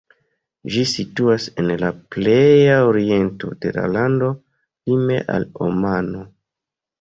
Ĝi situas en la pleja oriento de la lando, lime al Omano.